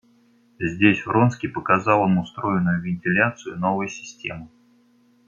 Здесь Вронский показал им устроенную вентиляцию новой системы.